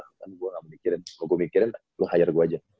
kan gua gak mikirin kalo gua mikirin lu hire gua aja